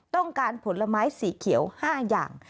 ต้องการผลไม้สีเขียว๕อย่าง